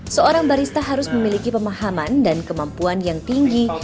seorang barista harus memiliki pemahaman dan kemampuan yang tinggi